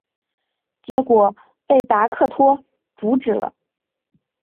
结果被达克托阻止了。